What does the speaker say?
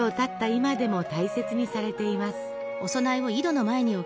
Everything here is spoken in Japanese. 今でも大切にされています。